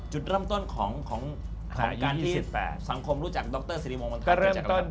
จุดเริ่มต้นของการที่สังคมรู้จักดรสรีวงศ์มณฑาจะจัดการกัน